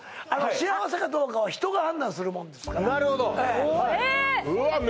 幸せかどうかは人が判断するもんですからなるほどえっうわ